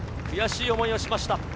悔しい思いをしました。